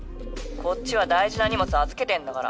こっちは大事な荷物預けてんだから。